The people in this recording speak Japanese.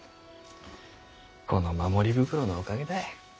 この守り袋のおかげだい。